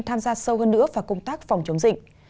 tham gia sâu hơn nữa vào công tác phòng chống dịch